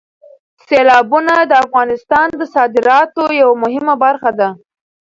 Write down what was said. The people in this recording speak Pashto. سیلابونه د افغانستان د صادراتو یوه مهمه برخه ده.